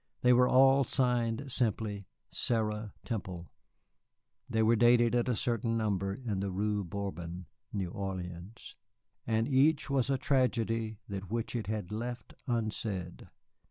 They were all signed simply "Sarah Temple," they were dated at a certain number in the Rue Bourbon, New Orleans, and each was a tragedy in that which it had left unsaid.